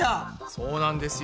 そうなんですよ。